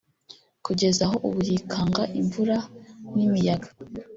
kugeza aho ubu yikanga imvura n’imiyaga